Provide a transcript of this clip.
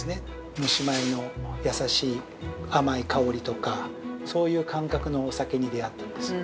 蒸し米の優しい甘い香りとかそういう感覚のお酒に出会ったんです。